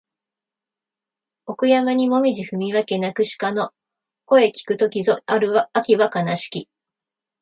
奥山にもみぢ踏み分け鳴く鹿の声聞く時ぞ秋は悲しき